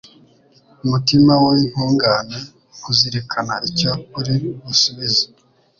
Umutima w’intungane uzirikana icyo uri busubize